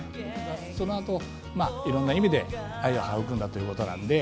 そのあと、いろいろな意味で愛を育んだということなんで。